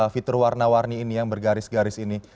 fitur warna warni ini yang bergaris garis ini